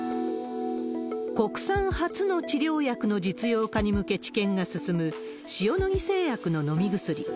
国産初の治療薬の実用化に向け治験が進む塩野義製薬の飲み薬。